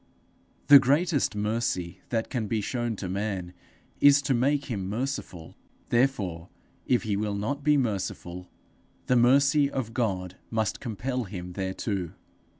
The greatest mercy that can be shown to man, is to make him merciful; therefore, if he will not be merciful, the mercy of God must compel him thereto.